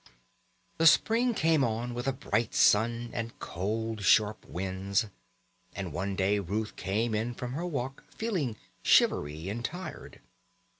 The spring came on with a bright sun and cold sharp winds, and one day Ruth came in from her walk feeling shivery and tired.